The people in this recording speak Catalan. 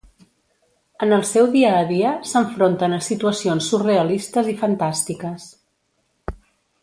En el seu dia a dia, s'enfronten a situacions surrealistes i fantàstiques.